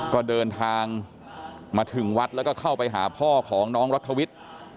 ก็เดินทางมาถึงวัดแล้วก็เข้าไปหาพ่อของน้องรัฐวิทย์